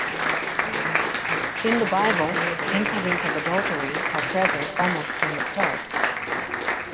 In the Bible, incidents of adultery are present almost from the start.